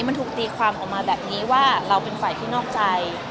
มันถูกตีความออกมาแบบนี้ว่าเราเป็นฝ่ายที่นอกใจ